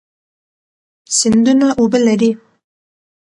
سیندونه اوبه لري.